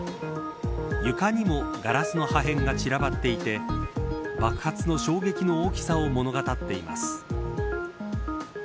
床にもガラスの破片が散らばっていて爆発の衝撃の大きさを物語っています。